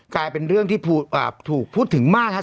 กลายเป็นเรื่องที่ถูกพูดถึงมากครับ